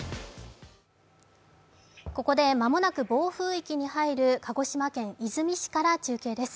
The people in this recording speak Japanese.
ここで間もなく暴風域に入る鹿児島県出水市から中継です。